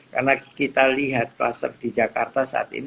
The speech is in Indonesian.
karena kita lihat kluster di jakarta saat ini